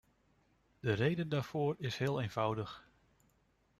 De reden daarvoor is heel eenvoudig.